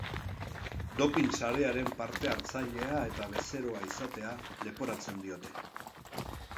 Dopin sarearen parte-hartzailea eta bezeroa izatea leporatzen diote.